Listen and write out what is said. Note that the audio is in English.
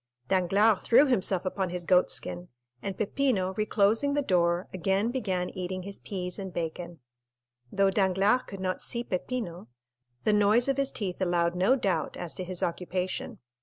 Danglars threw himself upon his goat skin, and Peppino, reclosing the door, again began eating his peas and bacon. Though Danglars could not see Peppino, the noise of his teeth allowed no doubt as to his occupation.